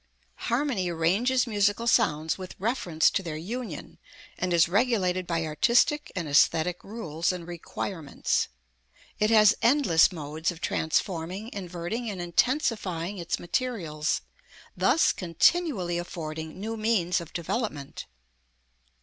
Harmony arranges musical sounds with reference to their union, and is regulated by artistic and æsthetic rules and requirements. It has endless modes of transforming, inverting and intensifying its materials, thus continually affording new means of development.